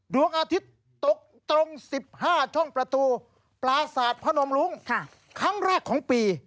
ดวงอาทิตย์ตกตรง๑๕ช่องประตูปราศาสตร์พนมรุ้งครั้งแรกของปี